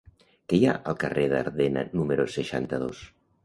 Què hi ha al carrer d'Ardena número seixanta-dos?